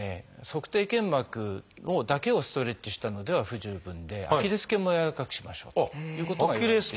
足底腱膜だけをストレッチしたのでは不十分でアキレス腱もやわらかくしましょうということがいわれています。